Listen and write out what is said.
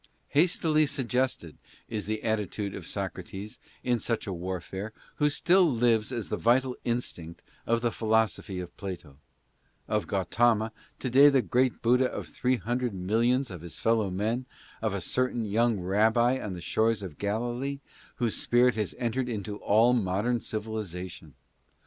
Hastily suggested, is the attitude of Socrates in such a warfare, who still lives as the vital instinct of the philosophy of Plato ; of Gautama, to day the great Buddha of three hundred millions of his fellow men; of a cer tain young rabbi on the shores of Galilee, whose spirit has entered into all modern civilization.